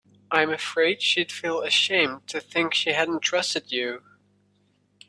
I'm afraid she'd feel ashamed to think she hadn't trusted you.